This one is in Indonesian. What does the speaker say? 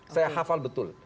saya hafal betul